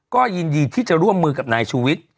ก็ยินดีที่จะร่วมมือกับนายชูวิทย์